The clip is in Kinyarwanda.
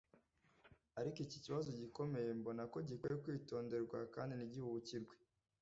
ariko iki kibazo gikomeye mbona ko gikwiriye kwitonderwa kandi ntigihubukirwe